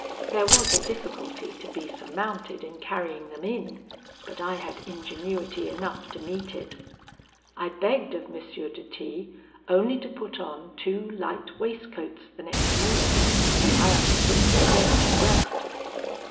"There was a difficulty to be surmounted in carrying them in, but I had ingenuity enough to meet it. I begged of M. de T only to put on two light waistcoats the next morning, and I undertook to arrange the rest.